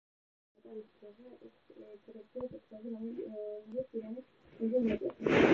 კატარის დროშა ერთადერთია მსოფლიოში, რომლის სიგანე ორჯერ მეტია სიმაღლეზე.